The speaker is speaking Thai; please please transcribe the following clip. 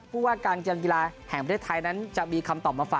ผู้ว่าการกีฬาแห่งประเทศไทยนั้นจะมีคำตอบมาฝาก